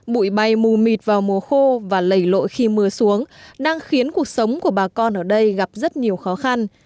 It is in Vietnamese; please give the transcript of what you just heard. bụi bay mù mịt vào mùa khô và lầy lội khi mưa xuống đang khiến cuộc sống của bà con ở đây gặp rất nhiều khó khăn